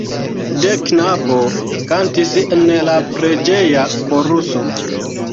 De knabo kantis en la preĝeja koruso.